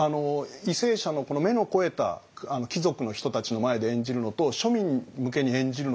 為政者の目の肥えた貴族の人たちの前で演じるのと庶民向けに演じるのでは演じ方を変えろと。